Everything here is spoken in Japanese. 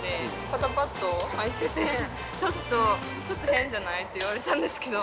肩パッド入ってて、ちょっと変じゃないって言われたんですけど。